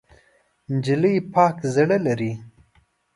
نجلۍ پاک زړه لري.